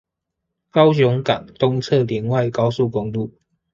高雄港東側聯外高速公路